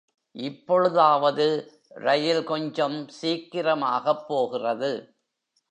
இப்பொழுதாவது ரயில் கொஞ்சம் சீக்கிரமாகப் போகிறது.